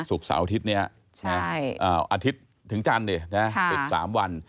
เสาร์อาทิตย์นี้อาทิตย์ถึงจันทร์ปิด๓วัน